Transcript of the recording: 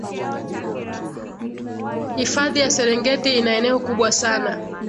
hifadhi ya serengeti ina eneo kubwa sana